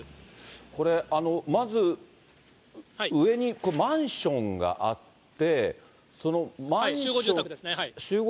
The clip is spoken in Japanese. これ、まず上にマンションがあって。